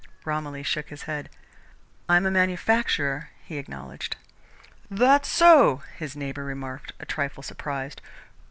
Romilly shook his head. "I am a manufacturer," he acknowledged. "That so?" his neighbour remarked, a trifle surprised.